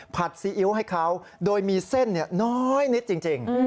ซีอิ๊วให้เขาโดยมีเส้นน้อยนิดจริง